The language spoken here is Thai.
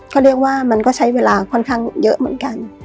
เขาเรียกว่ามันก็ใช้เวลาค่อนข้างเยอะเหมือนกัน